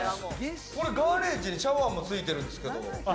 ガレージにシャワーもついてるんですけど。